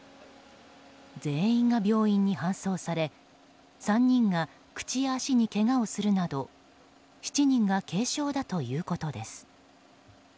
全員が病院に搬送され３人が口や足にけがをするなど７人が軽傷だということです。